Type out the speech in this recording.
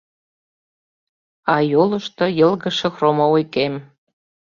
А йолышто йылгыжше хромовый кем.